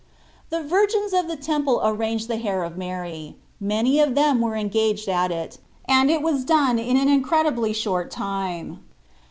The virgins of the Temple arranged the hair of Mary many of them were en gaged at it, and it was done in an in credibly short time.